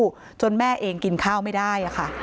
น้องชมพู่จนแม่เองกินข้าวไม่ได้อะค่ะ